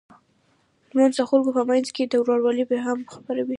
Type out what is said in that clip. لمونځ د خلکو په منځ کې د ورورولۍ پیغام خپروي.